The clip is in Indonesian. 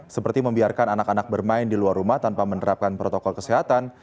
seperti membiarkan anak anak bermain di luar rumah tanpa menerapkan protokol kesehatan